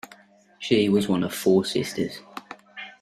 She was one of four sisters.